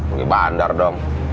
ini bandar dong